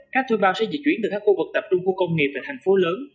các thuê bao sẽ di chuyển từ các khu vực tập trung của công nghiệp và thành phố lớn